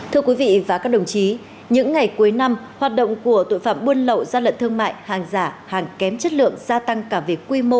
thưa quý vị và các đồng chí những ngày cuối năm hoạt động của tội phạm buôn lậu gian lận thương mại hàng giả hàng kém chất lượng gia tăng cả về quy mô